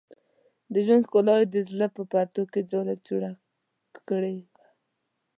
د ژوند ښکلا یې د زړه په پردو کې ځاله کړې وه.